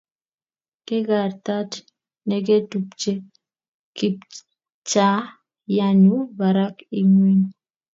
kigartat negetupche pikchayanyu barak ingweny